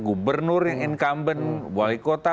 gubernur yang incumbent wali kota